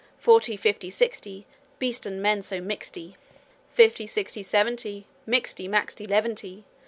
Forty, fifty, sixty Beast and man so mixty! 'Fifty, sixty, seventy Mixty, maxty, leaventy!